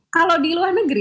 kalau di luar negeri